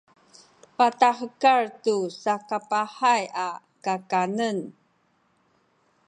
patahekal tu sakapahay a kakanen